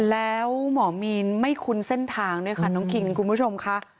แล้วหมอมีนไม่คุ้นเส้นทางด้วยค่ะน้องคิงคุณผู้ชมค่ะ